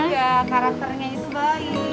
nggak karakternya itu baik